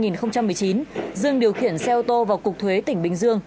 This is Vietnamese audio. năm hai nghìn một mươi chín dương điều khiển xe ô tô vào cục thuế tỉnh bình dương